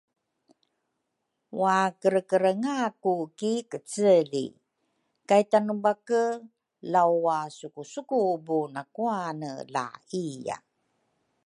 wakerekerenaku ki keceli, kay Tanebake lauwasukusukbu nakuane la iya.